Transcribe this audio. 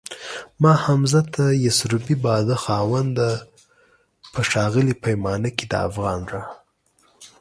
ما حمزه ته يسربی باده خاونده په ښاغلي پیمانه کي دافغان را